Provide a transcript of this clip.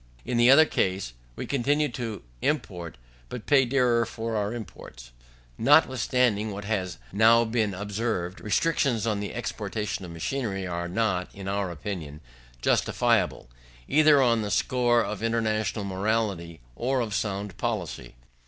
In the other case, we continue to import, but pay dearer for our imports. Notwithstanding what has now been observed, restrictions on the exportation of machinery are not, in our opinion, justifiable, either on the score of international morality or of sound policy.